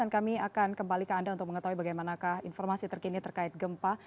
dan kami akan kembali ke anda untuk mengetahui bagaimana informasi terkini terkait gempa